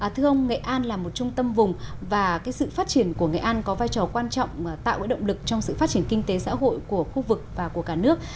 thưa ông nghệ an là một trung tâm vùng và sự phát triển của nghệ an có vai trò quan trọng tạo động lực trong sự phát triển kinh tế xã hội của khu vực và của cả nước